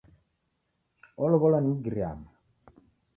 Wolow'olwa ni Mgiriama.